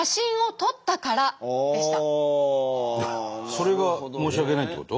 それが申し訳ないってこと？